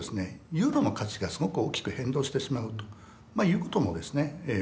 ユーロの価値がすごく大きく変動してしまうということもですね起こるので。